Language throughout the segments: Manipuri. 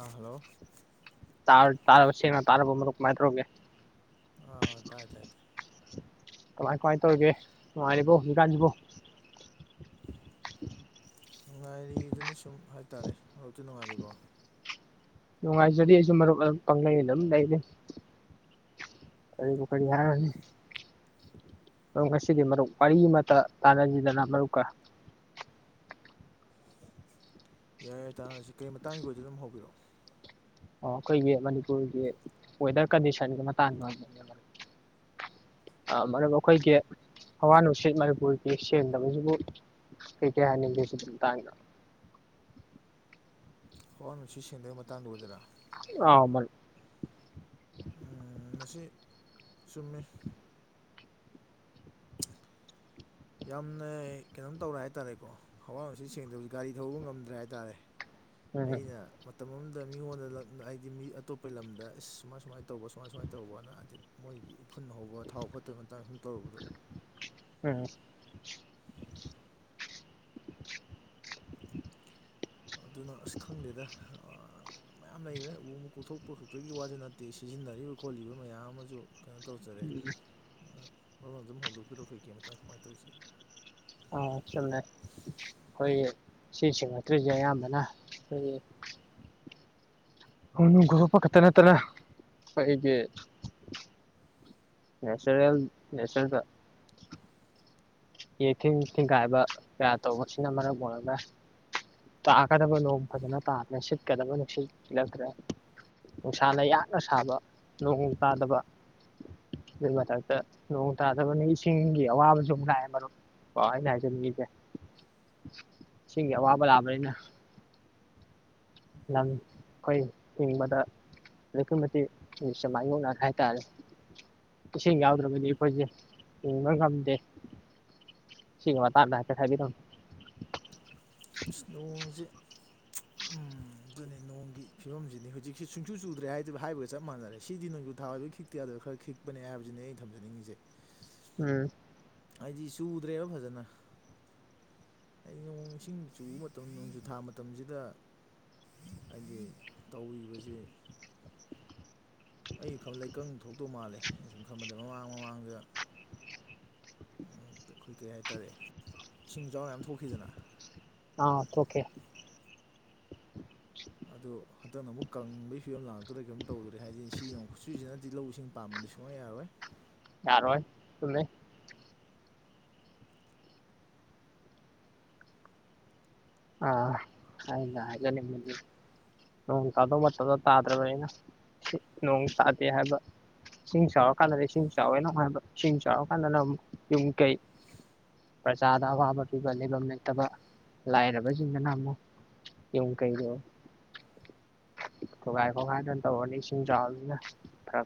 ꯑ ꯍꯜꯂꯣ ꯇꯥ ꯇꯥ ꯇꯔꯕ‌ꯣ ꯀꯃꯥꯏ ꯇꯧꯔꯒ‌ꯦ ꯑ ꯇꯥꯏ ꯇꯥꯏ ꯇꯥꯏ ꯀꯃꯥꯏ ꯀꯃꯥꯏꯅ ꯇꯧꯔꯤꯒꯦ ꯅꯨꯡꯉꯥꯏꯔꯤꯕꯣ ꯖꯤꯀꯥꯟꯁꯤꯕꯣ ꯅꯨꯡꯉꯥꯏꯔꯤꯗꯨꯅꯦ ꯁꯨꯝ ꯍꯥꯏꯇꯥꯔꯦ ꯃꯔꯨꯞꯇꯤ ꯅꯨꯡꯉꯥꯏꯔꯤꯕꯣ ꯅꯨꯡꯉꯥꯏꯖꯔꯤ ꯑꯩꯁꯨ ꯃꯔꯨꯞ ꯑꯗꯨꯝ ꯄꯥꯡꯂꯩ ꯑꯗꯨꯝ ꯂꯩꯔꯤ ꯀꯔꯤꯕꯨ ꯀꯔꯤ ꯍꯥꯏꯔꯨꯅꯤ ꯃꯔꯨꯞ ꯉꯁꯤꯗꯤ ꯃꯔꯨꯞ ꯋꯥꯔꯤ ꯑꯃꯇ ꯇꯥꯟꯅꯁꯤꯗꯅ ꯃꯔꯨꯞꯀ ꯌꯥꯏ ꯌꯥꯏ ꯇꯥꯟꯅꯁꯤ ꯀꯔꯤ ꯃꯇꯥꯡꯒꯤ ꯑꯣꯏꯗꯣꯏꯅꯣ ꯑꯗꯨꯝ ꯍꯧꯕꯤꯔꯛꯑꯣ ꯑꯣ ꯑꯩꯈꯣꯏꯒꯤ ꯃꯅꯤꯄꯨꯔꯒꯤ ꯋꯦꯗꯔ ꯀꯟꯗꯤꯁꯟꯒꯤ ꯃꯇꯥꯡꯗ ꯑꯣꯢꯗꯧꯢꯅꯦ ꯃꯔꯨꯞ ꯑ ꯃꯔꯝ ꯑꯩꯈꯣꯏꯒꯤ ꯍꯋꯥ ꯅꯨꯡꯁꯤꯠ ꯃꯅꯤꯄꯨꯔꯒꯤ ꯁꯦꯡꯗꯕꯁꯤꯕꯨ ꯀꯩ ꯀꯩ ꯍꯥꯏꯅꯤꯡꯒꯦ ꯁꯤꯒꯤ ꯃꯇꯥꯡꯗ ꯍꯋꯥ ꯅꯨꯡꯁꯤꯠ ꯁꯦꯡꯗꯕꯩ ꯃꯇꯥꯡꯗ ꯑꯣꯏꯗꯣꯏꯔ ꯑ ꯃꯥꯔꯨꯞ ꯎꯝ ꯃꯁꯤ ꯆꯨꯝꯃꯤ ꯌꯥꯝꯅ ꯀꯩꯅꯣꯝ ꯇꯧꯔꯦ ꯍꯥꯏꯇꯥꯔꯦꯀꯣ ꯍꯋꯥ ꯅꯨꯡꯁꯤꯠ ꯁꯦꯡꯗꯕꯁꯤ ꯒꯥꯔꯤ ꯊꯧꯕ ꯉꯝꯗ꯭ꯔꯦ ꯍꯥꯏꯇꯥꯔꯦ ꯎꯝ ꯑꯩꯅ ꯃꯇꯝ ꯑꯃꯗ ꯃꯤꯉꯣꯟꯗ ꯂꯛ ꯍꯥꯏꯗꯤ ꯃꯤ ꯑꯇꯣꯞꯄ ꯂꯝꯗ ꯏꯁ ꯁꯨꯃꯥꯏ ꯁꯨꯃꯥꯏꯅ ꯇꯧꯕ ꯁꯨꯃꯥꯏ ꯁꯨꯃꯥꯏꯅ ꯇꯧꯕꯅ ꯍꯥꯏꯗꯤ ꯃꯣꯏꯒꯤ ꯎꯐꯨꯟ ꯍꯧꯕ ꯊꯥꯎ ꯐꯠꯇꯕꯩ ꯃꯇꯥꯡ ꯁꯨꯝ ꯇꯧꯔꯨꯕꯗꯣ ꯎꯝ ꯑꯗꯨꯅ ꯑꯁ ꯈꯪꯗꯦꯗ ꯑ ꯃꯌꯥꯝ ꯂꯩꯈ꯭ꯔꯦ ꯎ ꯀꯣꯛꯊꯣꯛꯄ ꯈꯛꯇꯒꯤ ꯋꯥꯁꯨ ꯅꯠꯇꯦ ꯁꯤꯖꯤꯟꯅꯔꯤꯕ ꯈꯣꯠꯂꯤꯕ ꯃꯌꯥꯝ ꯑꯃꯁꯨ ꯀꯩꯅꯣ ꯇꯧꯖꯔꯦ ꯃꯔꯨꯞꯅ ꯑꯗꯨꯝ ꯍꯧꯗꯣꯛꯄꯤꯔꯛꯑꯣ ꯀꯩꯀꯩ ꯃꯇꯥꯡ ꯀꯃꯥꯏ ꯇꯧꯁꯤ ꯑꯥ ꯆꯨꯝꯃꯦ ꯑꯩꯈꯣꯏꯒꯤ ꯁꯤ ꯁꯦꯡꯉꯥꯠꯇ꯭ꯔꯤꯁꯦ ꯑꯌꯥꯝꯕꯅ ꯑꯩꯈꯣꯏꯒꯤ ꯎ ꯅꯣꯡꯀꯣꯛꯊꯣꯞꯄ ꯈꯛꯇ ꯅꯠꯇꯅ ꯑꯩꯈꯣꯏꯒꯤ ꯅꯦꯆꯔꯦꯜ ꯅꯦꯆꯔꯗ ꯌꯦꯊꯤꯡ ꯊꯤꯡꯒꯥꯏꯕ ꯀꯌꯥ ꯇꯧꯕꯁꯤꯅ ꯃꯔꯝ ꯑꯣꯏꯔꯒ ꯇꯥꯒꯗꯕ ꯅꯣꯡ ꯐꯖꯅ ꯇꯥꯗ꯭ꯔꯦ ꯁꯤꯠꯀꯗꯕ ꯅꯨꯡꯁꯤꯠ ꯁꯤꯠꯂꯛꯇ꯭ꯔꯦ ꯅꯨꯡꯁꯥꯅ ꯌꯥꯠꯅ ꯁꯥꯕ ꯅꯣꯡ ꯇꯥꯗꯕ ꯑꯗꯨꯏ ꯃꯊꯛꯇ ꯅꯣꯡ ꯇꯥꯗꯕꯅ ꯏꯁꯤꯡꯒꯤ ꯑꯋꯥꯕꯁꯨ ꯑꯃꯨꯛ ꯂꯥꯛꯑꯦ ꯃꯔꯨꯞ ꯀꯣ ꯑꯩꯅ ꯍꯥꯏꯖꯅꯤꯡꯉꯤꯁꯦ ꯏꯁꯤꯡꯒꯤ ꯑꯋꯥꯕ ꯂꯥꯛꯑꯕꯅꯤꯅ ꯂꯝ ꯑꯩꯈꯣꯏ ꯍꯤꯡꯕꯗ ꯑꯗꯨꯒꯤ ꯃꯇꯤꯛ ꯄꯨꯟꯁꯤꯁꯦ ꯃꯥꯏꯌꯣꯛꯅꯍꯜꯂꯦ ꯍꯥꯏ ꯇꯥꯔꯦ ꯏꯁꯤꯡ ꯌꯥꯎꯗ꯭ꯔꯕꯗꯤ ꯑꯩꯈꯣꯏꯁꯦ ꯍꯤꯡꯕ ꯉꯝꯗꯦ ꯁꯤꯒꯤ ꯃꯇꯥꯡꯗ ꯍꯥꯐꯦꯠ ꯍꯥꯏꯕꯤꯔꯝꯃꯣ ꯅꯣꯡꯖꯤ ꯎꯝ ꯑꯗꯨꯅꯦ ꯅꯣꯡꯒꯤ ꯐꯤꯕꯝꯁꯤꯗꯤ ꯍꯧꯖꯤꯛꯁꯤ ꯁꯨꯡꯁꯨ ꯆꯨꯗ꯭ꯔꯦ ꯍꯥꯏ ꯍꯥꯏꯕꯒ ꯆꯞ ꯃꯥꯟꯅꯔꯦ ꯁꯤꯗꯤ ꯅꯣꯡꯖꯨ ꯅꯣꯡꯖꯨ ꯊꯥ ꯑꯣꯏꯕꯒꯤ ꯈꯤꯛꯇ ꯌꯥꯗꯕꯩ ꯈꯤꯛꯄꯅꯦ ꯍꯥꯏꯕꯁꯤꯅꯦ ꯑꯩ ꯊꯝꯖꯅꯤꯡꯉꯤꯁꯦ ꯎꯝ ꯍꯥꯏꯗꯤ ꯆꯨꯗ꯭ꯔꯦꯕ ꯐꯖꯅ ꯑꯩ ꯅꯣꯡ ꯏꯁꯤꯡ ꯆꯨꯕ ꯃꯇꯝ ꯅꯣꯡꯖꯨ ꯊꯥ ꯃꯇꯝꯁꯤꯗ ꯍꯥꯏꯗꯤ ꯇꯧꯔꯤꯕꯁꯤ ꯑꯩ ꯈꯟꯕꯗ ꯂꯩꯀꯪ ꯊꯣꯛꯇꯧ ꯃꯥꯜꯂꯦ ꯑꯩ ꯁꯨꯝ ꯈꯟꯕꯗ ꯃꯃꯥꯡ ꯃꯃꯥꯡꯗ ꯑꯩꯈꯣꯏ ꯀꯩ ꯍꯥꯏꯇꯥꯔꯦ ꯏꯁꯤꯡ ꯏꯆꯥꯎ ꯃꯌꯥꯝ ꯊꯣꯛꯈꯤꯗꯅ ꯑꯥ ꯊꯣꯛꯈꯤ ꯑꯗꯣ ꯍꯟꯗꯛꯅ ꯑꯃꯨꯛ ꯀꯪꯕꯒꯤ ꯐꯤꯕꯝ ꯂꯥꯛꯇꯧꯔꯦ ꯀꯔꯤꯝ ꯇꯧꯗꯧꯔꯦ ꯍꯥꯏꯁꯤꯅꯤ ꯁꯤꯅ ꯑꯃꯨꯛ ꯈꯨꯠꯁꯨꯁꯤꯅꯗꯤ ꯂꯧ ꯏꯁꯤꯡ ꯄꯥꯝꯕꯅꯦ ꯁꯨꯛꯌꯥ ꯌꯥꯔꯣꯏ ꯌꯥꯔꯣꯏ ꯆꯨꯝꯃꯦ ꯑꯥ ꯑꯩꯅ ꯍꯥꯏꯖꯅꯤꯡꯕꯗꯤ ꯅꯣꯡ ꯇꯥꯗꯧ ꯃꯇꯝꯗ ꯇꯥꯗ꯭ꯔꯕꯅꯤꯅ ꯅꯣꯡ ꯇꯥꯗꯦ ꯍꯥꯏꯕ ꯏꯁꯤꯡ ꯆꯥꯎꯔ ꯀꯥꯟꯗꯗꯤ ꯏꯁꯤꯡ ꯆꯥꯎꯋꯦ ꯑꯃꯨꯛ ꯍꯥꯏꯕ ꯏꯁꯤꯡ ꯆꯥꯎꯔ ꯀꯥꯟꯗꯅ ꯑꯃꯨꯛ ꯌꯨꯝ ꯀꯩ ꯄ꯭ꯔꯖꯥꯗ ꯑꯋꯥꯕ ꯄꯤꯕ ꯂꯩꯐꯝ ꯂꯩꯇꯕ ꯂꯥꯏꯔꯕꯁꯤꯡꯗꯅ ꯑꯃꯨꯛ ꯌꯨꯝ ꯀꯩꯗꯣ ꯈꯣꯒꯥꯏ ꯈꯣꯒꯥꯏꯗꯅ ꯇꯧꯔꯅꯤ ꯏꯁꯤꯡ ꯆꯥꯎꯕꯅꯤꯅ ꯐꯔ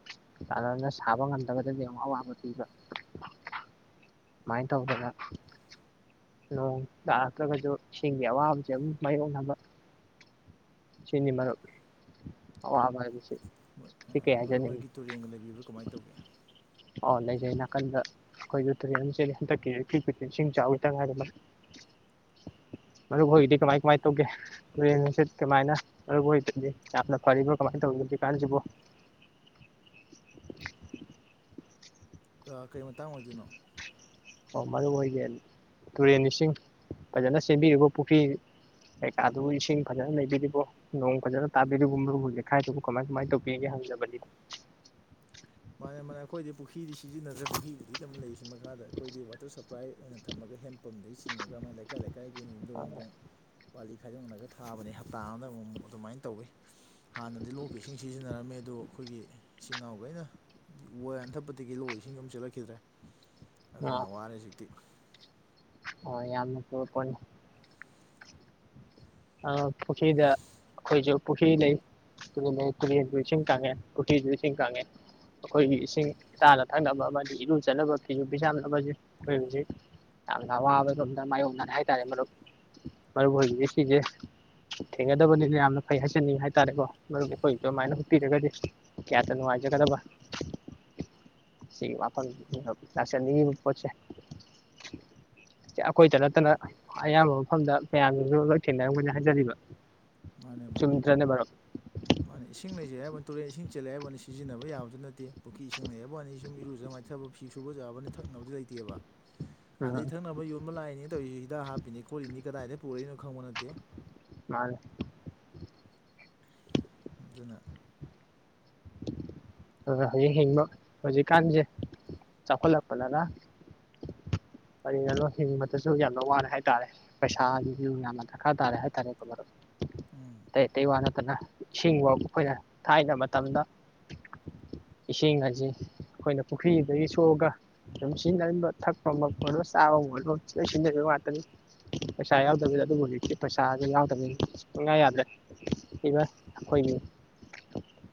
ꯇꯥꯗꯅ ꯁꯥꯕ ꯉꯝꯗꯕꯗꯒꯤ ꯑꯃꯨꯛ ꯑꯋꯥꯕ ꯄꯤꯕ ꯁꯨꯃꯥꯏꯅ ꯇꯧꯗꯅ ꯅꯣꯡ ꯇꯥꯔꯛꯇ꯭ꯔꯒꯁꯨ ꯏꯁꯤꯡꯒꯤ ꯑꯋꯥꯕꯁꯦ ꯑꯗꯨꯝ ꯃꯥꯏꯌꯣꯛꯅꯕ ꯁꯤꯅꯤ ꯃꯔꯨꯞ ꯑꯋꯥꯕ ꯍꯥꯏꯕꯁꯦ ꯃꯔꯨꯞ ꯍꯣꯏꯒꯤ ꯇꯨꯔꯦꯟꯒ ꯂꯩꯕꯤꯕ꯭ꯔꯥ ꯀꯃꯥꯏ ꯇꯧꯒꯦ ꯑꯣ ꯂꯩꯖꯩ ꯅꯥꯀꯟꯗ ꯑꯩꯈꯣꯏꯒꯤ ꯇꯨꯔꯦꯟ ꯑꯃ ꯆꯦꯜꯂꯦ ꯍꯟꯗꯛꯀꯤ ꯏꯀꯨꯏ ꯀꯨꯏꯗꯔ꯭ꯤ ꯏꯁꯤꯡ ꯆꯥꯎꯕꯗ ꯉꯥꯏꯔꯤ ꯃꯔꯨꯞ ꯍꯣꯏꯗꯤ ꯀꯃꯥꯏ ꯀꯃꯥꯏ ꯇꯧꯒꯦ ꯅꯣꯡ ꯅꯨꯡꯁꯤꯠ ꯀꯃꯥꯏꯅ ‌ꯃꯔꯨꯞ ꯍꯣꯏꯗꯗꯤ ꯌꯥꯝꯅ ꯐꯔꯤꯕ꯭ꯔꯣ ꯀꯃꯥꯏꯅ ꯇꯧꯔꯤ ꯍꯧꯖꯤꯛ ꯀꯥꯟꯁꯤꯕꯨ ꯀꯩ ꯃꯇꯥꯡ ꯑꯣꯏꯗꯣꯏꯅꯣ ꯑꯣ ꯃꯔꯨꯞ ꯍꯣꯏꯒꯤ ꯇꯨꯔꯦꯟ ꯏꯁꯤꯡ ꯐꯖꯅ ꯆꯦꯟꯕꯤꯔꯤꯕꯣ ꯄꯨꯈ꯭ꯔꯤ ꯀꯩꯀꯥꯗꯨꯕꯨ ꯏꯁꯤꯡ ꯐꯖꯅ ꯂꯩꯕꯤꯔꯤꯕꯣ ꯅꯣꯡ ꯐꯖꯅ ꯇꯥꯕꯤꯔꯤꯕꯣ ꯃꯔꯨꯞ ꯍꯣꯏ ꯂꯩꯀꯥꯏ ꯗꯨꯕꯨ ꯀꯃꯥꯏ ꯀꯃꯥꯏ ꯇꯧꯕꯤꯔꯤꯒꯦ ꯍꯪꯖꯕꯅꯤ ꯃꯥꯅꯦ ꯃꯥꯅꯦ ꯑꯩꯈꯣꯏꯗꯤ ꯄꯨꯈ꯭ꯔꯤꯗꯤ ꯁꯤꯖꯤꯟꯅꯗ꯭ꯔꯕ ꯄꯨꯈ꯭ꯔꯤꯕꯨꯗꯤ ꯑꯗꯨꯝ ꯂꯩꯔꯤꯁꯤ ꯃꯈꯥꯗ ꯑꯩꯈꯣꯏꯗꯤ ꯋꯥꯇꯔ ꯁꯄ꯭ꯂꯥꯏ ꯑꯣꯏꯅ ꯊꯝꯃꯒ ꯍꯦꯟ ꯄꯝꯗꯒꯤ ꯆꯤꯡꯉꯒ ꯃꯥ ꯂꯩꯀꯥꯏ ꯂꯩꯀꯥꯏꯒꯤ ꯌꯨꯝꯊꯣꯡ ꯌꯨꯝꯗꯣꯡ ꯄꯥꯂꯤ ꯈꯥꯏꯗꯣꯛꯅꯔꯒ ꯊꯥꯕꯅꯤ ꯍꯞꯇꯥ ꯑꯃꯗ ꯑꯃꯨꯛ ꯃꯨꯛ ꯑꯗꯨꯃꯥꯏꯅ ꯇꯧꯋꯤ ꯍꯥꯟꯅꯗꯤ ꯂꯣꯛꯀꯤ ꯏꯁꯤꯡ ꯁꯤꯖꯤꯟꯅꯔꯝꯃꯦ ꯑꯗꯣ ꯑꯩꯈꯣꯏꯒꯤ ꯏꯆꯤꯜ ꯏꯅꯥꯎ‌ꯒꯩꯅ ꯎ ꯋꯥ ꯌꯥꯟꯊꯠꯄꯗꯒꯤ ꯂꯣꯛ ꯏꯁꯤꯡꯒ ꯑꯃ ꯆꯦꯜꯂꯛꯈꯤꯗ꯭ꯔꯦ ꯑꯗꯨꯅꯤ ꯑꯥ ꯋꯥꯔꯦ ꯍꯧꯖꯤꯛꯇꯤ ꯌꯥꯝꯅ‌‌‌‌ꯐꯕ‌‌‌ꯄꯣꯠꯅꯤ ꯑ ꯄꯨꯈ꯭ꯔꯤꯗ ꯑꯩꯈꯣꯏꯁꯨ ꯄꯨꯈ꯭ꯔꯤ ꯂꯩ ꯇꯨꯔꯦꯜ ꯁꯨ ꯏꯁꯤꯡ ꯀꯥꯪꯉꯦ ꯄꯨꯈꯔ꯭ꯤ ꯁꯨ ꯏꯁꯤꯡ ꯀꯥꯪꯉꯦ ꯑꯩꯈꯣꯏꯒꯤ ꯏꯁꯤꯡ ꯆꯥꯅ ꯊꯛꯅꯕ ꯑꯃꯗꯤ ꯏꯔꯨ ꯖꯅꯕ ꯐꯤꯁꯨ ꯐꯤ ꯖꯥꯝꯅꯕ ꯑꯩꯈꯣꯏ ꯍꯧꯖꯤꯛ ꯌꯥꯝꯅ ꯑꯋꯥꯕꯗꯣ ꯃꯥꯏꯌꯣꯛꯅꯔꯦ ꯍꯥꯏꯇꯥꯔꯦ ꯃꯔꯨꯞ ꯃꯔꯨꯞ ꯍꯣꯏꯒꯤꯗꯤ ꯁꯤꯁꯦ ꯊꯦꯡꯒꯗꯕꯅꯤꯅ ꯌꯥꯝꯅ ꯐꯩ ꯍꯥꯏꯖꯅꯤꯡꯉꯤ ꯍꯥꯏ ꯇꯥꯔꯦꯀꯣ ꯃꯔꯝꯗꯤ ꯑꯩꯈꯣꯏꯁꯨ ꯑꯗꯨꯃꯥꯏꯅ ꯍꯨꯠꯄꯤꯔꯒꯗꯤ ꯀꯌꯥꯗ ꯅꯨꯡꯉꯥꯏꯖꯒꯗꯕ ꯁꯤ ꯋꯥꯐꯝ ꯁꯦ ꯂꯥꯛꯆꯥꯅꯤꯡꯉꯤꯕ ꯄꯣꯠꯁꯦ ꯑꯩꯈꯣꯏꯗ ꯅꯠꯇꯅ ꯑꯌꯥꯝꯕ ꯃꯐꯝꯗ ꯃꯌꯥꯝꯒꯤꯁꯨ ꯂꯣꯏ ꯊꯦꯡꯅꯔꯝꯒꯅꯤ ꯍꯥꯏꯖꯔꯤꯕ ꯃꯥꯅꯦ ꯆꯨꯝꯗ꯭ꯔꯅꯦ ꯃꯔꯨꯞ ꯃꯥꯅꯦ ꯏꯁꯤꯡ ꯂꯩꯖꯩ ꯍꯥꯏꯕꯅꯤ ꯇꯨꯔꯦꯟ ꯏꯁꯤꯡ ꯆꯦꯜꯂꯦ ꯍꯥꯏꯕꯅꯤ ꯁꯤꯖꯤꯟꯅꯕ ꯌꯥꯕꯗꯨ ꯅꯠꯇꯦ ꯄꯨꯈ꯭ꯔꯤ ꯏꯁꯤꯡ ꯂꯩ ꯍꯥꯏꯕ ꯋꯥꯅꯤ ꯐꯤ ꯁꯨꯕ ꯏꯔꯨꯖ ꯃꯥꯏꯊꯕ ꯐꯤ ꯁꯨꯕ ꯌꯥꯥꯕꯅꯤ ꯊꯛꯅꯕꯗꯤ ꯂꯩꯇꯦꯕ [unintelligible] ꯑꯗꯩ ꯊꯛꯅꯕ ꯌꯣꯟꯕ ꯂꯥꯛꯏꯅꯤ ꯇꯧꯔꯤꯁꯤ ꯁꯤꯗ ꯍꯤꯗꯥꯛ ꯍꯥꯞꯄꯤꯅꯤ ꯈꯣꯠꯂꯤꯅꯤ ꯀꯗꯥꯏꯗ ꯄꯨꯔꯛꯏꯅꯣ ꯈꯪꯕ ꯅꯠꯇꯦ ꯃꯥꯅꯦ ꯑꯗꯨꯅ ꯍꯣꯏ ꯍꯧꯖꯤꯛ ꯍꯤꯡꯕ ꯍꯧꯖꯤꯛꯀꯥꯟꯁꯦ ꯆꯥꯎꯈꯠꯂꯛꯄꯅꫪ ꯀꯔꯤꯅꯅꯣ ꯍꯤꯡꯕꯗꯁꯨ ꯌꯥꯝꯅ ꯋꯥꯔꯦ ꯍꯥꯏꯇꯥꯔꯦ ꯄꯩꯁꯥꯖꯤꯁꯨ ꯌꯥꯝꯅ ꯗꯔꯀꯥꯔ ꯇꯥꯔꯦ ꯍꯥꯏꯇꯥꯔꯦꯀꯣ ꯃꯔꯨꯞ ꯎꯝ ꯑꯇꯩ ꯑꯇꯩ ꯋꯥ ꯅꯠꯇꯅ ꯏꯁꯤꯡꯐꯧ ꯑꯩꯈꯣꯏꯅ ꯊꯥꯏꯅ ꯃꯇꯝꯗ ꯏꯁꯤꯡ ꯑꯁꯤ ꯑꯩꯈꯣꯏꯅ ꯄꯨꯈ꯭ꯔꯤꯗꯒꯤ ꯁꯣꯛꯑꯒ ꯑꯗꯨꯝ ꯁꯤꯖꯤꯟꯅꫪꯝꯃꯤꯕ ꯊꯛꯄ ꯃꯛ ꯑꯣꯏꯔꯣ ꯆꯥꯕꯕꯨ ꯑꯣꯏꯔꯣ ꯂꯣꯏ ꯁꯤꯖꯤꯟꯅꯔꯤꯕ ꯉꯥꯛꯇꯅꯤ ꯄꯩꯁꯥ ꯌꯥꯎꯗꯕꯤꯗ ꯑꯗꯨꯕꯨ ꯍꯧꯖꯤꯛꯇꯤ ꯄꯩꯁꯥꯖꯦ ꯌꯥꯎꯗꯕꯤ ꯁꯨꯛꯌꯥ ꯌꯥꯗ꯭ꯔꯦ [unintelligible] ꯑꯩꯈꯣꯏꯒꯤ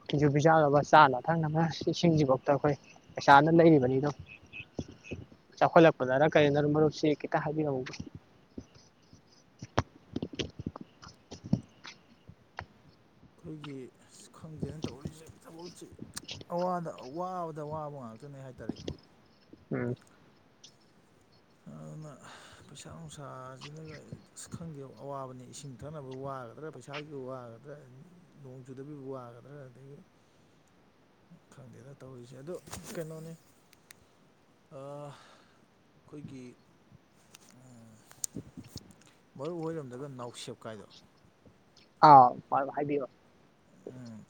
ꯐꯤꯖꯨ ꯐꯤꯖꯥꯝꯅꯕ ꯆꯥꯛ ꯊꯛꯅꯕ ꯁꯤ ꯏꯁꯤꯡꯖꯤꯕꯥꯎꯇꯥ ꯑꯩꯈꯣꯏ ꯄꯩꯁꯥꯅ ꯂꯩꯔꯤꯕꯅꯤꯗꯣ ꯆꯥꯎꯈꯠꯂꯛꯄꯅꯔ ꯀꯔꯤꯅꯣ ꯃꯔꯨꯞꯁꯤ ꯈꯤꯇꯥ ꯍꯥꯏꯕꯤꯔꯛꯎꯕ [inaudible] ꯈꯣꯏꯒꯤ ꯑꯁ ꯈꯪꯗꯦꯅꯦ ꯇꯧꯔꯤꯖꯦ ꯊꯕꯛꯁꯦ ꯑꯋꯥꯗ ꯑꯋꯥꯕꯗ ꯋꯥꯕ ꯉꯥꯛꯇꯅꯦ ꯍꯥꯏꯇꯥꯔꯦꯀꯣ ꯎꯝ ꯑꯗꯨꯅ ꯄꯩꯁꯥ ꯅꯨꯡꯁꯥꯖꯤꯅꯒ ꯑꯁ ꯈꯪꯗꯦ ꯑꯋꯥꯕꯅꯤ ꯏꯁꯤꯡ ꯊꯛꯅꯕ ꯋꯥꯒꯗ꯭ꯔꯥ ꯄꯩꯁꯥ ꯁꯥꯒꯤꯕꯨ ꯋꯥꯒꯗ꯭ꯔꯥ ꯅꯣꯡ ꯆꯨꯗꯕꯒꯤꯕꯨ ꯋꯥꯒꯗ꯭ꯔꯥ ꯑꯗꯒꯤ ꯈꯪꯗꯦꯗ ꯇꯧꯔꯤꯁꯦ ꯑꯗꯨ ꯀꯩꯅꯣꯅꯦ ꯑꯥ ꯈꯣꯏꯒꯤ ꯑꯥ ꯃꯔꯨꯞ ꯍꯣꯏꯔꯣꯝꯗꯒ ꯅꯥꯎꯁꯦꯞ ꯀꯥꯏꯗꯣ ꯑꯥꯎ [unintelligible] ꯍꯥꯏꯕꯤꯌꯣ ꯎꯝ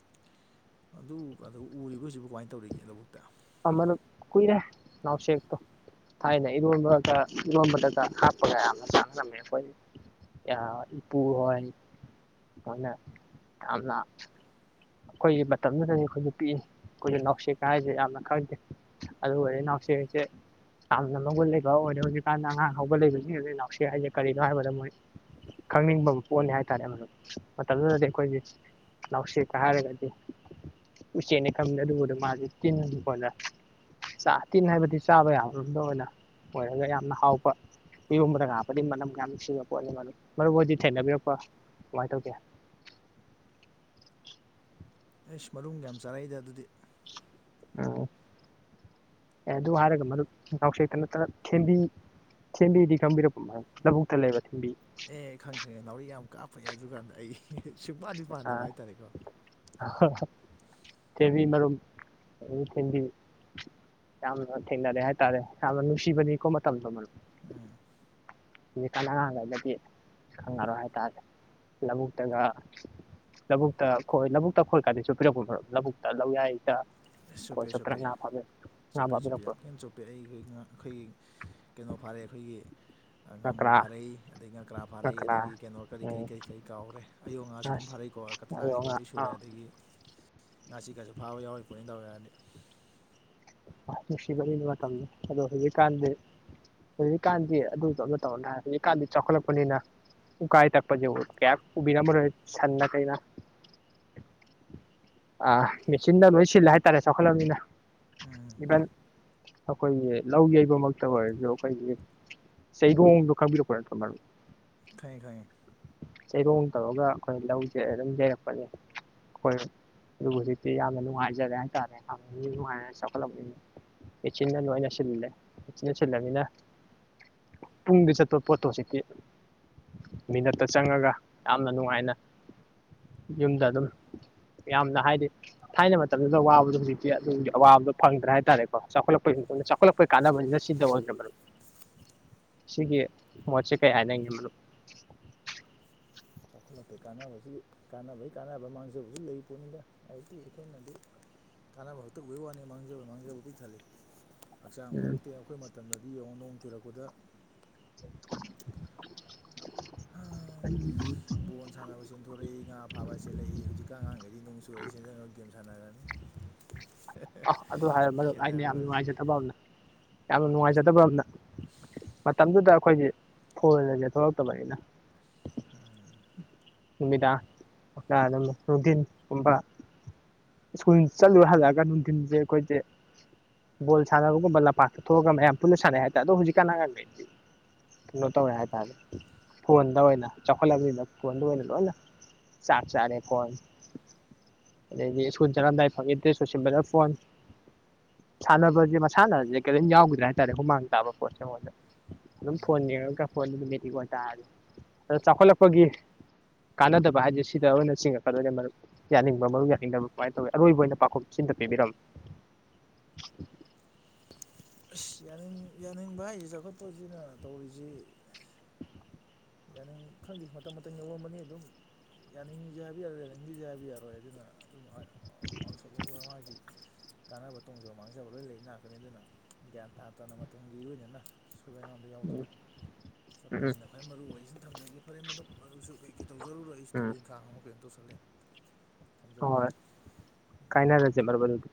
ꯑꯗꯨꯒꯥꯗꯨ ꯎꯔꯤꯕꯣ ꯍꯨꯖꯤꯛꯄꯨ ꯀꯃꯥꯏꯟ ꯇꯧꯔꯤꯒꯦ ꯂꯧꯕꯨꯛꯇꯥ ꯑꯃꯅ ꯀꯨꯏꯔꯦ ꯅꯥꯎꯁꯦꯛꯇꯣ ꯊꯥꯏꯅ ꯏꯔꯣꯝꯕꯒ ꯏꯔꯣꯝꯕꯗꯒ ꯍꯥꯞꯄꯒ ꯌꯥꯝꯅ ꯆꯥꯅꯔꯝꯃꯦ ꯑꯩꯈꯣꯏ ꯏꯄꯨꯍꯣꯏ [inaudible] ꯑꯩꯈꯣꯏꯒꯤ ꯃꯇꯝꯗꯨꯗꯗꯤ ꯑꯩꯈꯣꯏꯖꯨ ꯄꯤꯛꯏ ꯑꯩꯈꯣꯏꯖꯨ ꯅꯥꯎꯁꯦꯛꯀꯥ ꯍꯥꯏꯖꯦ ꯌꯥꯝꯅ ꯈꯪꯗꯦ ꯑꯗꯨꯒꯅꯦ ꯅꯥꯎꯁꯦꯛꯁꯦ ꯌꯥꯝꯅ ꯃꯒꯨꯟ ꯂꯩꯕ ꯑꯣꯏꯔꯦ ꯍꯧꯖꯤꯛꯀꯥꯟꯗ ꯑꯉꯥꯡ ꯍꯧꯒꯠ ꯂꯤꯕꯖꯤꯡ ꯑꯁꯤ ꯅꯥꯎꯁꯦꯛ ꯍꯥꯏꯖꯦ ꯀꯔꯤꯅꯣ ꯍꯥꯏꯕꯗ ꯃꯣꯏ ꯈꯪꯅꯤꯡꯕꯝ ꯄꯣꯛꯑꯅꯤ ꯍꯥꯏꯇꯥꯔꯦ [unintelligible] ꯃꯇꯝꯗꯨꯗꯗꯤ ꯑꯩꯈꯣꯏꯒꯤ ꯅꯥꯁꯦꯛꯀꯥ ꯍꯥꯏꯔꯒꯗꯤ ꯎꯆꯦꯛꯅꯤ ꯈꯟꯕ ꯑꯗꯨꯒꯗꯤ ꯃꯥꯗꯤ ꯇꯤꯟ [unintelligible] ꯆꯥ ꯇꯤꯟ ꯍꯥꯏꯕꯗꯤ ꯆꯥꯕ ꯌꯥꯕ ꯔꯣꯝꯗ ꯑꯣꯏꯅ ꯑꯣꯏꯔꯒ ꯌꯥꯝꯅ ꯍꯥꯎꯕ ꯏꯔꯣꯝꯕꯗꯒ ꯍꯥꯞꯄꯗꯤ ꯃꯅꯝ ꯌꯥꯝ ꯅꯨꯡꯁꯤꯕ ꯄꯣꯠꯅꯤ ꯃꯔꯨꯞ ꯑꯣꯏꯗꯤ ꯊꯦꯡꯅꯕꯤꯔꯛꯄ ꯀꯃꯥꯏꯟ ꯇꯧꯒꯦ ꯑꯩꯁ ꯃꯔꯨꯝꯒ ꯌꯥꯝ ꯆꯥꯔꯛꯏꯗ ꯑꯗꯨꯗꯤ ꯎꯝ ꯑꯦ ꯑꯗꯨ ꯍꯥꯏꯔꯒ ꯃꯔꯨꯞ ꯅꯥꯎꯁꯦꯛꯇꯥ ꯅꯠꯇꯅ ꯊꯦꯝꯕꯤ ꯊꯦꯝꯕꯤꯗꯤ ꯈꯪꯕꯤꯔꯛꯄ ꯃꯥ ꯂꯧꯕꯨꯛꯇꯥ ꯂꯩꯕ ꯊꯦꯝꯕꯤ ꯑꯦ ꯈꯪꯉꯦ ꯈꯪꯉꯦ ꯅꯥꯎꯔꯤ ꯌꯥꯝ ꯀꯥꯞꯄꯅꯦ ꯑꯗꯨꯀꯥꯟꯗ ꯑꯩ ꯁꯨꯛꯄꯥꯟꯗꯤ ꯄꯥꯟꯗꯕ ꯍꯥꯏꯇꯥꯔꯦꯀꯣ ꯊꯦꯝꯕꯤ ꯃꯔꯨꯝ [inaudible] ꯊꯦꯝꯕꯤ ꯌꯥꯝꯅ ꯊꯦꯡꯅꯔꯦ ꯍꯥꯏꯇꯥꯔꯦ ꯌꯥꯝꯅ ꯅꯨꯡꯁꯤꯕꯅꯤꯀꯣ ꯃꯇꯝꯗꯣ ꯃꯔꯨꯞ ꯎꯝ ꯍꯨꯖꯤꯛꯀꯥꯟ ꯑꯉꯥꯡꯉꯩꯅꯗꯤ ꯈꯪꯉꯔꯣꯏ ꯍꯥꯏꯇꯥꯔꯦ ꯂꯥꯕꯨꯛꯇꯒ ꯂꯥꯕꯨꯛꯇꯥ ꯈꯣꯏ ꯂꯥꯕꯨꯛꯇ ꯈꯣꯏ ꯀꯥꯗꯤ ꯆꯣꯞꯄꯤꯔꯛꯄ꯭ꯔꯣ ꯃꯔꯨꯞ ꯂꯥꯕꯨꯛꯇꯥ ꯂꯧꯌꯥꯏꯗ ꯈꯣꯏ ꯆꯣꯞꯄꯦ ꯆꯣꯞꯇꯅ ꯆꯣꯞꯄꯦ ꯉꯥ ꯐꯥꯕꯤ ꯉꯥ ꯆꯣꯞꯄꯦ ꯆꯣꯞꯄꯦ ꯐꯥꯕꯤꯔꯛꯄ꯭ꯔꯣ ꯌꯝ ꯀꯥꯟ ꯆꯨꯞ ꯄꯦ ꯑꯩ ꯈꯣꯏ ꯉꯥ ꯑꯩꯈꯣꯏꯒꯤ ꯀꯩꯅꯣ ꯐꯥꯔꯛꯑꯦ ꯑꯩꯈꯣꯏꯒꯤ ꯉꯥꯃꯨ ꯉꯀ꯭ꯔꯥ ꯐꯥꯔꯛꯏ ꯑꯗꯩ ꯉꯀ꯭ꯔꯥ ꯐꯥꯔꯛꯏ ꯑꯗꯒꯤ ꯀꯩꯅꯣ ꯀꯔꯤ ꯀꯔꯤ ꯎꯝ ꯀꯔꯤ ꯀꯔꯤ ꯀꯥꯎꯒ꯭ꯔꯦ ꯑꯌꯣ ꯉꯥꯖꯨ ꯑꯗꯨꯝ ꯑꯁ ꯐꯔꯛꯏꯀꯣ ꯀꯠꯇꯂꯥ ꯑꯌꯣ ꯀꯩꯀꯩ ꯉꯥ ꯂꯣꯏ ꯁꯨꯔꯦ ꯑꯥ ꯑꯗꯒꯤ ꯉꯥꯆꯤꯛ ꯀꯥꯖꯨ ꯐꯥꯕ ꯌꯥꯎꯔꯤ ꯄꯣꯠꯅꯤ ꯗꯥꯎ ꯌꯥꯔꯗꯤ ꯅꯨꯡꯁꯤꯕꯅꯤ ꯃꯇꯝꯗꯣ ꯑꯗꯣ ꯍꯨꯖꯤꯛꯀꯥꯟꯗꯤ ꯍꯨꯖꯤꯛꯀꯥꯟꯗꯤ ꯑꯗꯨ [unintelligible] ꯍꯨꯖꯤꯛꯀꯥꯟꯗꯤ ꯆꯥꯎꯈꯠꯂꯛꯄꯅꯤꯅ ꯎꯀꯥꯏ ꯇꯥꯛꯄꯖꯦ ꯀꯌꯥ ꯎꯕꯤꯔꯝꯃꯔꯣꯏ ꯁꯟꯅ ꯀꯩꯅ ꯑꯥ ꯃꯦꯆꯤꯟꯗ ꯂꯣꯏ ꯁꯤꯜꯂꯦ ꯍꯥꯏꯇꯥꯔꯦ ꯆꯥꯎꯈꯠꯂꯕꯅꯤꯅ ꯎꯝ ꯏꯚꯟ ꯑꯈꯣꯏꯒꯤ ꯂꯧ ꯌꯩꯕꯃꯛꯇꯥ ꯑꯣꯏꯔꯖꯨ ꯑꯈꯣꯏꯒꯤ ꯆꯩꯔꯣꯡꯗꯣ ꯈꯪꯕꯤꯔꯛꯄ ꯅꯠꯇ꯭ꯔꯣ ꯃꯔꯨꯞ ꯈꯪꯉꯦ ꯈꯪꯉꯦ ꯆꯩꯔꯣꯡ ꯇꯧꯔꯒ ꯑꯩꯈꯣꯏ ꯂꯧꯖꯦ ꯑꯗꯨꯝ ꯌꯩꯔꯛꯄꯅꯦ ꯑꯈꯣꯏ ꯑꯗꯨ ꯍꯧꯖꯤꯛꯇꯤ ꯌꯥꯝ ꯅꯨꯉꯥꯏꯖꯔꯦ ꯍꯥꯏꯇꯥꯔꯦ ꯌꯥꯝꯅꯁꯨ ꯅꯨꯡꯉꯥꯏꯔꯦ ꯆꯥꯎꯈꯠꯂꯛꯄꯅꯤꯅ ꯃꯦꯆꯤꯟꯅ ꯂꯣꯏꯅ ꯁꯤꯟꯂꯦ ꯃꯦꯆꯤꯟꯅ ꯁꯤꯟꯂꯕꯅꯤꯅ ꯄꯨꯡꯗ ꯆꯠꯄ ꯄꯣꯠꯇꯣ ꯍꯧꯖꯤꯛꯇꯤ ꯃꯤꯅꯠ ꯇ ꯆꯪꯉꯒ ꯌꯥꯝꯅ ꯅꯨꯡꯉꯥꯏꯅ ꯌꯨꯝꯗ ꯑꯗꯨꯝ ꯌꯥꯝꯅ ꯍꯥꯏꯗꯤ ꯊꯥꯏꯅ ꯃꯇꯝꯗꯨꯗ ꯋꯥꯕꯗꯣ ꯍꯧꯖꯤꯛꯇꯤ ꯑꯗꯨꯒꯤ ꯑꯋꯥꯕꯗꯣ ꯐꯪꯗ꯭ꯔꯦ ꯍꯥꯏꯇꯥꯔꯦꯀꯣ ꯆꯥꯎꯈꯠꯂꯛꯄꯒꯤ ꯆꯥꯎꯄ ꯈꯠꯂꯛꯄꯩ ꯀꯥꯟꯅꯕꯅꯤꯅ ꯁꯤꯗ ꯑꯣꯏꯗ꯭ꯔꯦ ꯃꯔꯨꯞ ꯁꯤꯒꯤ ꯃꯣꯠꯁꯦ ꯀꯩ ꯍꯥꯏꯅꯤꯡꯉꯦ ꯃꯔꯨꯞ ꯆꯥꯎꯈꯠꯂꯛꯄꯩ ꯀꯥꯟꯅꯕꯁꯤ ꯀꯥꯟꯅꯕꯩ ꯀꯥꯟꯅꯕ ꯃꯥꯡꯖꯕꯁꯨ ꯂꯩꯔꯤ ꯄꯣꯠꯅꯤꯅ ꯍꯥꯏꯗꯤ ꯑꯩꯈꯣꯏꯅꯗꯤ ꯀꯥꯟꯅꯕ ꯈꯛꯇ ꯎꯕꯒꯤ ꯋꯥꯅꯤ ꯃꯥꯡꯖꯕ ꯃꯥꯡꯖꯕ ꯄꯤꯛ ꯊꯜꯂꯤ ꯍꯛꯆꯥꯡ ꯎꯝ ꯐꯔꯛꯇꯦ ꯑꯩꯈꯣꯏ ꯃꯇꯝꯗꯗꯤ ꯌꯦꯡꯉꯣ ꯅꯣꯡ ꯆꯨꯔꯛꯄꯗ [unintelligible] ꯕꯣꯜ ꯁꯥꯟꯅꯕ ꯆꯦꯟꯊꯣꯔꯛꯏ ꯉꯥ ꯐꯥꯕ ꯆꯦꯜꯂꯛꯏ ꯍꯧꯖꯤꯛꯀꯤ ꯑꯉꯥꯡꯈꯩꯗꯤ ꯅꯣꯡ ꯆꯨꯔ ꯆꯦꯟꯖꯟꯈ꯭ꯔꯒ ꯒꯦꯝ ꯁꯥꯟꯅꯔꯅꯤ [unintelligible] ꯑꯥ ꯑꯗꯨ ꯍꯥꯏꯔ ꯃꯔꯨꯞ ꯑꯩꯅ ꯌꯥꯝ ꯈꯦꯠꯅꯕꯁꯦ ꯅꯨꯡꯉꯥꯏꯖꯗꯕ ꯑꯝꯅ ꯌꯥꯝꯅ ꯅꯨꯡꯉꯥꯏꯖꯗꯕ ꯑꯝꯅ ꯃꯇꯝꯗꯨꯗ ꯑꯩꯈꯣꯏꯒꯤ ꯐꯣꯜ ꯍꯥꯢꯁꯦ ꯊꯣꯛꯂꯛꯇꯕꯅꯤꯅ ꯎꯝ ꯅꯨꯃꯤꯗꯥ [unintelligible] ꯅꯨꯡꯗꯤꯟ ꯀꯨꯝꯕ ꯁ꯭ꯀꯨꯜ ꯆꯠꯂꯨ ꯍꯜꯂꯛꯑꯒ ꯅꯨꯡꯊꯤꯟꯁꯦ ꯑꯩꯈꯣꯏꯁꯦ ꯕꯣꯜ ꯁꯥꯟꯅꯕꯒꯨꯝꯕ ꯂꯝꯄꯥꯛꯇ ꯊꯣꯛꯂꯛꯑꯒ ꯃꯌꯥꯝ ꯄꯨꯟꯅ ꯁꯥꯟꯅꯩ ꯍꯥꯏꯇꯥꯔꯦ ꯑꯗꯣ ꯍꯧꯖꯤꯛꯀꯥꯟ ꯑꯉꯥꯡꯒꯩꯗꯤ ꯀꯩꯅꯣ ꯇꯧꯋꯦ ꯍꯥꯏ ꯇꯥꯔꯦ ꯐꯣꯟꯗ ꯑꯣꯏꯅ ꯆꯥꯥꯎꯈꯠꯂꯕꯅꯤꯅ ꯐꯣꯟꯗ ꯑꯣꯏꯅ ꯂꯣꯏꯅ ꯆꯥꯛ ꯆꯥꯔꯦ ꯐꯣꯟ ꯑꯗꯩꯗꯤ ꯁꯀꯨꯜ ꯆꯠꯂꯝꯗꯥꯏ ꯐꯪꯉꯦ ꯗꯦꯁ ꯂꯣꯏꯁꯤꯟꯕꯗꯥ ꯐꯣꯟ ꯁꯥꯟꯅꯕꯁꯦ ꯃꯁꯥꯟꯅꯁꯦ ꯀꯔꯤꯝ ꯌꯥꯎꯈꯤꯗ꯭ꯔꯦ ꯍꯥꯏꯇꯥꯔꯦ ꯍꯨꯃꯥꯡ ꯇꯥꯕ ꯄꯣꯠꯁꯦ ꯃꯣꯏꯗ ꯑꯗꯨꯝ ꯐꯣꯟ ꯌꯦꯡꯉꯒ [unintelligible] ꯇꯥꯔꯗꯤ ꯑꯗ ꯆꯥꯎꯈꯠꯂꯛꯄꯒꯤ ꯀꯥꯟꯅꯗꯕ ꯍꯥꯏꯁꯦ ꯁꯤꯗ ꯑꯣꯏꯅ ꯆꯤꯡꯉꯛꯀꯗꯣꯏꯅꯤ ꯃꯔꯨꯞ ꯌꯥꯅꯤꯡꯕ ꯃꯔꯨꯞ ꯌꯥꯅꯤꯡꯗꯕ꯭ꯔꯥ ꯀꯃꯥꯏꯅ ꯇꯧꯋꯤ ꯑꯔꯣꯏꯕ ꯑꯣꯏꯅ ꯄꯥꯎꯈꯨꯝ ꯁꯤꯃꯇ ꯄꯤꯕꯤꯔꯝꯃꯣ ꯑꯁ ꯌꯥꯅꯤꯡ ꯌꯥꯅꯤꯡꯕ ꯍꯥꯏꯁꯤ ꯆꯥꯎꯈꯠꯄꯁꯤꯅ ꯇꯧꯔꯤꯁꯤ ꯌꯥꯅꯤꯡ ꯈꯪꯗꯦ ꯃꯇꯝ ꯃꯇꯝꯒꯤ ꯑꯋꯣꯟꯕꯅꯤ ꯑꯗꯨꯝ ꯌꯥꯅꯤꯡꯉꯤꯁꯨ ꯍꯥꯏꯕ ꯌꯥꯔꯣꯏ ꯌꯥꯅꯤꯡꯗꯦꯁꯨ ꯍꯥꯏꯕ ꯌꯥꯔꯣꯏ ꯑꯗꯨꯅ ꯑꯗꯨꯝ [unintelligible] ꯀꯥꯟꯅꯕ ꯇꯣꯡꯖꯕ ꯃꯥꯡꯖꯕ ꯂꯣꯏꯅ ꯂꯩ ꯉꯥꯛꯇꯅꯤ ꯑꯗꯨꯅ ꯒ꯭ꯌꯥꯟ ꯇꯥꯗꯅ ꯃꯇꯝꯒꯤ ꯏꯔꯣꯏꯅꯅ ꯁꯣꯏ ꯉꯥꯝꯕ ꯌꯥꯎꯗꯅ [inaudible] ꯆꯠꯄꯁꯤꯅ ꯈ꯭ꯋꯥꯏ ꯃꯔꯨ ꯑꯣꯏꯁꯤꯅ ꯊꯝꯖꯒꯦ ꯐꯔꯦ ꯃꯔꯨꯞ ꯃꯔꯨꯞꯁꯨ ꯀꯩꯀꯩ ꯇꯧꯖꯔꯨꯔꯣ ꯑꯩꯁꯨ ꯎꯝ ꯎꯝ ꯊꯕꯛ ꯏꯪꯈꯥꯡ ꯑꯃꯛ ꯇꯧꯁꯤꯜꯂꯦ ꯍꯣꯏ ꯍꯣꯏ ꯀꯥꯏꯅꯔꯖꯦ ꯃꯔꯨꯞ ꯑꯗꯨꯗꯤ